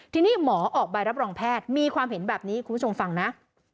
ทีนี้หมอออกใบรับรองแพทย์มีความเห็นแบบนี้คุณผู้ชมฟังนะ